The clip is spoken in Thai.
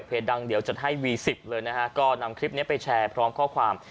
ดังเดี๋ยวจัดให้วีสิบเลยนะฮะก็นำคลิปนี้ไปแชร์พร้อมข้อความ